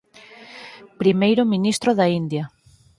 Primeiro ministro da India.